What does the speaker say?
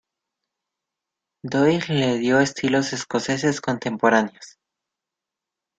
Doyle le dio estilos escoceses contemporáneos.